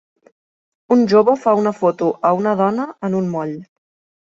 Un jove fa una foto a una dona en un moll.